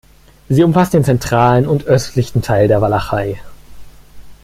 Sie umfasst den zentralen und östlichen Teil der Walachei.